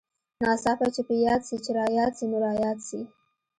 ناڅاپه چې په ياد سې چې راياد سې نو راياد سې.